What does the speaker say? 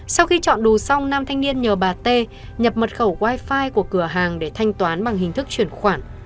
sau khi chọn đủ xong nam thanh niên nhờ bà t nhập mật khẩu wifi của cửa hàng để thanh toán bằng hình thức chuyển khoản